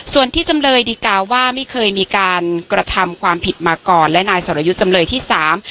ส่วนที่จำเลยดีกาว่าไม่เคยมีการกระทำความผิดมาก่อนและนายสรยุทธ์จำเลยที่สาม